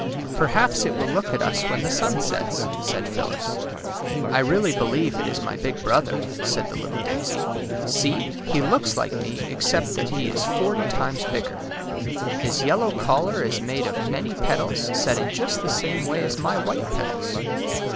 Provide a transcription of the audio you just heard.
*^ Perhaps it will look at us when the sun sets," said Phyllis. '' I really believe it is my big brother," said the little daisy. '' See, he looks like me except that he is forty times bigger. His ^^ellow col lar is made of many petals set in just the same way as my white petals.